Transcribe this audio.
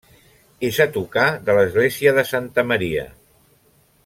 És a tocar de l'església de Santa Maria.